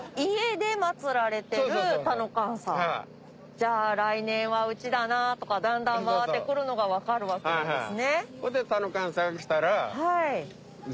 じゃあ来年はうちだなとかだんだん回ってくるのが分かるわけですね。